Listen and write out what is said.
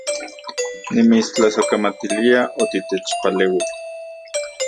Nimitstlasojkamatilia otitechpaleui